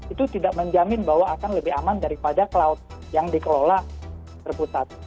itu tidak menjamin bahwa akan lebih aman daripada cloud yang dikelola terpusat